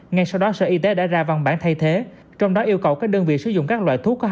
ngay sau đó sở y tế đã ra văn bản thay thế trong đó yêu cầu các đơn vị sử dụng các loại thuốc có